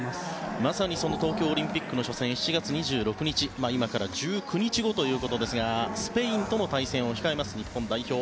まさに東京オリンピックの初戦、７月２６日今から１９日後ということですがスペインとの対戦を控えます日本代表。